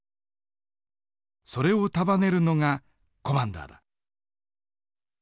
それを束ねるのがコマンダーだ。